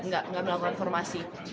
gak melakukan formasi